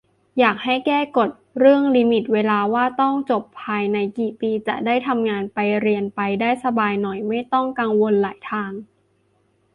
อยากให้แก้กฎเรื่องลิมิตเวลาว่าต้องจบภายในกี่ปี จะได้ทำงานไปเรียนไปได้สบายหน่อย ไม่ต้องกังวลหลายทาง